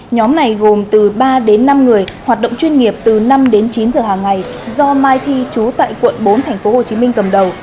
nhóm này gồm từ ba đến năm người hoạt động chuyên nghiệp từ năm đến chín giờ hàng ngày do mai thi chú tại quận bốn tp hcm cầm đầu